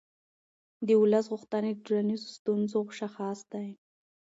د ولس غوښتنې د ټولنیزو ستونزو شاخص دی